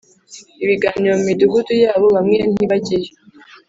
ibiganiro mu Midugudu yabo bamwe ntibajyeyo